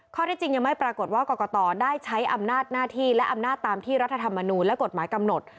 ที่จริงยังไม่ปรากฏว่ากรกตได้ใช้อำนาจหน้าที่และอำนาจตามที่รัฐธรรมนูลและกฎหมายกำหนด